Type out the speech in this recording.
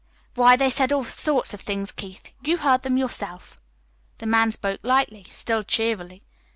"Why, they said all sorts of things, Keith. You heard them yourself." The man spoke lightly, still cheerily.